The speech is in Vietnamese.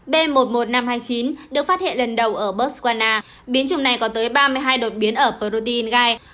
b một một năm trăm hai mươi chín được phát hiện lần đầu ở botswana biến chủng này có tới ba mươi hai đột biến ở protein gai